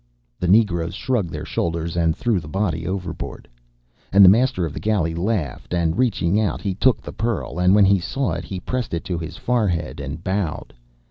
The negroes shrugged their shoulders, and threw the body overboard. And the master of the galley laughed, and, reaching out, he took the pearl, and when he saw it he pressed it to his forehead and bowed.